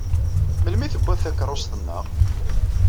Melmi i tewwiḍ takeṛṛust-nneɣ?